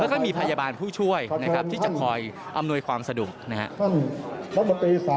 แล้วก็มีพยาบาลผู้ช่วยที่จะคอยอำนวยความสะดุม